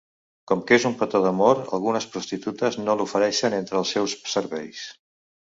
Com que és un petó d'amor, algunes prostitutes no l'ofereixen entre els seus serveis.